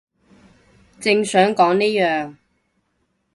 正想講呢樣